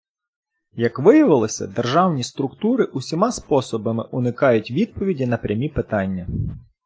Як виявилося, державні структури усіма способами уникають відповіді на прямі питання.